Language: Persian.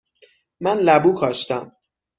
من لبو کاشتم.